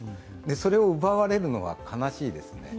それを奪われるのが悲しいです。